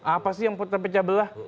apa sih yang terpecah belah